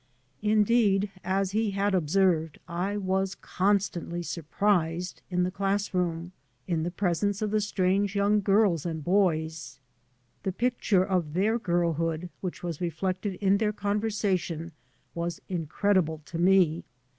Indeed, as he had observed, I was constantly " surprised," in the class room, in the presence of the strange young girls and boys. The picture of their girlhood which was reflected in their conversation was incredible to me.